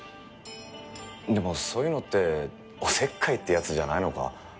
でもそういうのっておせっかいってやつじゃないのか？